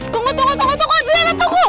tunggu tunggu tunggu tunggu adriana tunggu